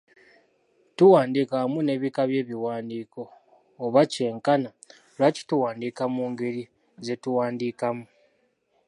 Tuwandiika wamu n’ebika by’ebiwandiiko, oba kye nkana lwaki tuwandiika mu ngeri ze tuwandiikamu.